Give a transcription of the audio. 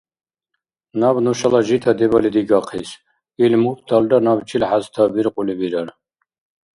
Наб нушала жита дебали дигахъис, ил мурталра набчил хӀязтабиркьули бирар.